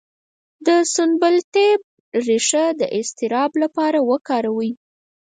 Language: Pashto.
د سنبل الطیب ریښه د اضطراب لپاره وکاروئ